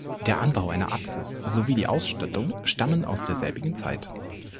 Der Anbau einer Apsis sowie die Ausstattung stammen aus der selbigen Zeit.